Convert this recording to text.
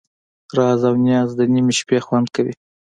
راز او نیاز د نیمې شپې خوند کوي.